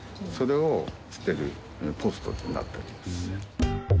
それを捨てるポストになってるんです。